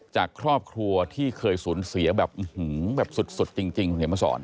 จากครอบครัวที่เคยสูญเสียแบบอื้อหูแบบสุดสุดจริงจริงเหมือนเฮมเมอร์สอน